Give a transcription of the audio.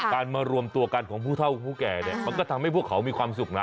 มารวมตัวกันของผู้เท่าผู้แก่เนี่ยมันก็ทำให้พวกเขามีความสุขนะ